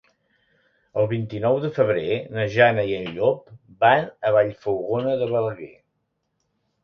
El vint-i-nou de febrer na Jana i en Llop van a Vallfogona de Balaguer.